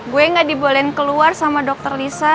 gue gak dibolehin keluar sama dokter lisa